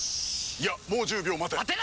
いやもう１０秒待て。